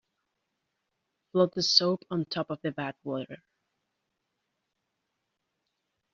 Float the soap on top of the bath water.